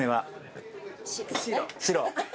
白。